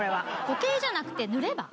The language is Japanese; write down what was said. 固形じゃなくて塗れば？